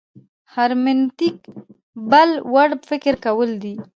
هرمنوتیک بل وړ فکر کول دي.